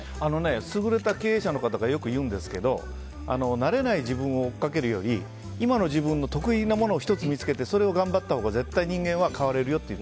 優れた経営者の方がよく言うんですけどなれない自分を追っかけるより今の自分の得意なものを１つ見つけてそれを頑張ったほうが絶対人間は変われるよっていう。